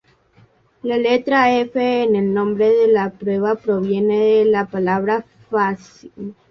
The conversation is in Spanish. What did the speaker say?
La letra F en el nombre de la prueba proviene de la palabra fascismo.